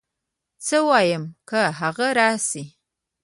څه ووايم که هغه راشي